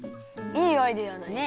いいアイデアだね。